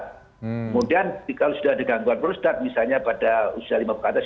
kemudian kalau sudah ada gangguan prostat misalnya pada usia lima puluh ke atas